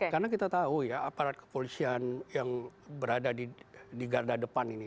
karena kita tahu ya aparat kepolisian yang berada di garda depan ini